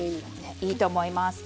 いいと思います。